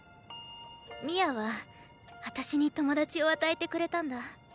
ミァはあたしに友達を与えてくれたんだ。